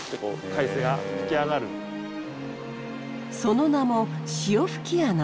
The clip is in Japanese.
その名も潮吹穴。